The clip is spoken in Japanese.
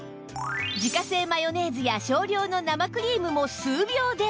自家製マヨネーズや少量の生クリームも数秒で！